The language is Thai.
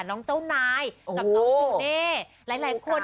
น้องเจ้านายกับน้องจูเน่